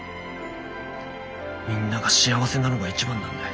みんなが幸せなのが一番なんだよ。